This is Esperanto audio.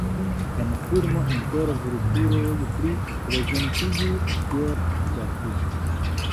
En filmo Inter vulturoj li prezentiĝis kiel Jackie.